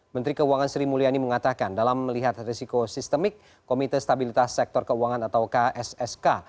menteri keuangan sri mulyani mengatakan dalam melihat resiko sistemik komite stabilitas sektor keuangan atau kssk